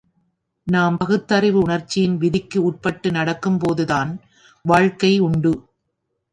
நாம் பகுத்தறிவு உணர்ச்சியின் விதிக்கு உட்பட்டு நடக்கும் போதுதான் வாழ்க்கை உண்டு.